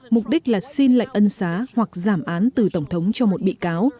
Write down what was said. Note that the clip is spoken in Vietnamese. mục đích là xin lệnh ân xá hoặc giảm án từ tổng thống cho một bị cáo